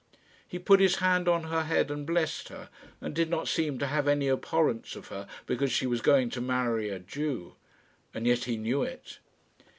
He put his hand on her head and blessed her, and did not seem to have any abhorrence of her because she was going to marry a Jew. And yet he knew it.